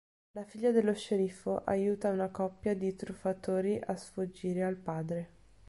La figlia dello sceriffo aiuta una coppia di truffatori a sfuggire al padre.